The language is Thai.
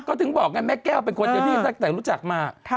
ก็ถึงบอกไงแม่แก้วเป็นคนเดียวที่ตั้งแต่รู้จักมา